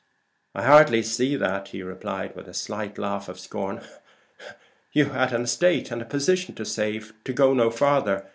"I hardly see that," he replied, with a slight laugh of scorn. "You had an estate and a position to save, to go no farther.